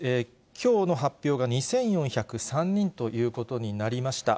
きょうの発表が２４０３人ということになりました。